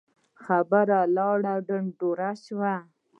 خبره لاړه ډنډوره سوه